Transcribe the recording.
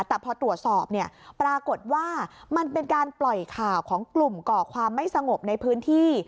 แต่พอตรวจสอบเนี่ยปรากฏว่ามันเป็นการปล่อยข่าวของกลุ่มก่อความไม่สงบในพื้นที่